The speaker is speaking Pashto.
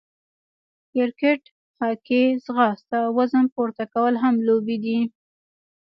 کرکېټ، هاکې، ځغاسته، وزن پورته کول هم لوبې دي.